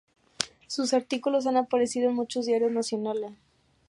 Sus artículos han aparecido en muchos diarios nacionales.